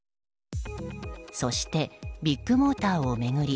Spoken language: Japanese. そしてビッグモーターを巡り